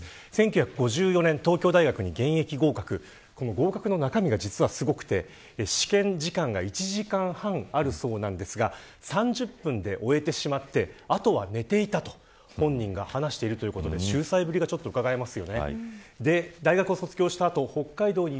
合格の中身がすごくて試験時間が１時間半あるそうなんですが３０分で終えてしまってあとは寝ていた本人が話しているということで秀才ぶりがうかがえます。